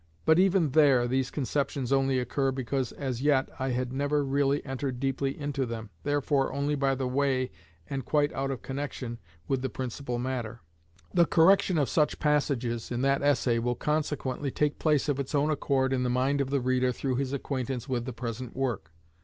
But even there these conceptions only occur because as yet I had never really entered deeply into them, therefore only by the way and quite out of connection with the principal matter. The correction of such passages in that essay will consequently take place of its own accord in the mind of the reader through his acquaintance with the present work.